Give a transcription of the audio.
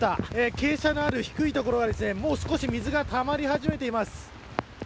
傾斜のある低い所が少し水がたまり始めています。